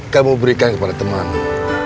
kamu berikan kepada temanmu